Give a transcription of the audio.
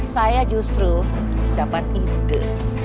saya justru dapat ide